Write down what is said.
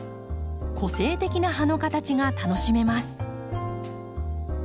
個性的な葉の形が楽しめます。